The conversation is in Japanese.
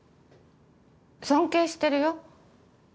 尊敬してるよ。